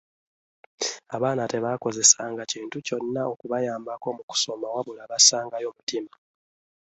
Abaana tebaakozesanga kintu kyonna okubayambako mu kusoma wabula bassaangayo mutima.